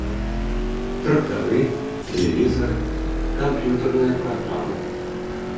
Трактары, тэлевізары, камп'ютэрныя праграмы.